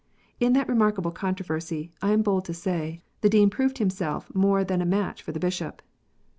In that remarkable con troversy, I am bold to say, the Dean proved himself more than a match for the Bishop.